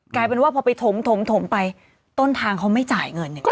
กลายเป็นว่าพอไปถมถมไปต้นทางเขาไม่จ่ายเงินอย่างนี้